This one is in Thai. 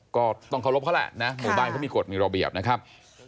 ก็ต้องเคารพเขาแหละนะหมู่บ้านเขามีกฎมีระเบียบนะครับ